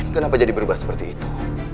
kenapa jadi berubah seperti itu